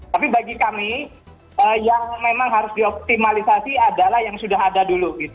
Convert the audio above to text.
tapi bagi kami yang memang harus dioptimalisasi adalah yang sudah ada dulu gitu